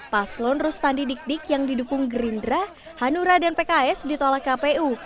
paslon rustandi dik dik yang didukung gerindra hanura dan pks ditolak kpu